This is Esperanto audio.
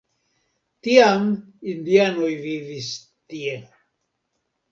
Tiam indianoj vivis tie.